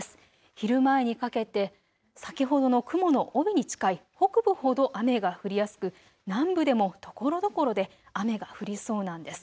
昼前にかけて先ほどの雲の帯に近い北部ほど雨が降りやすく南部でもところどころで雨が降りそうなんです。